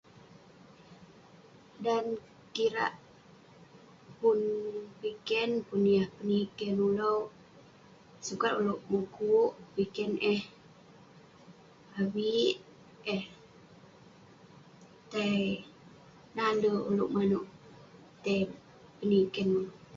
Dan kirak pun piken, pun yah peniken ulouk, sukat ulouk mukuk, piken eh..avik eh tai nalek ulouk manouk tai peniken ulouk